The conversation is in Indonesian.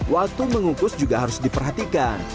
waktu mengukus juga harus diperhatikan